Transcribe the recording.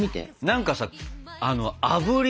何かさあぶり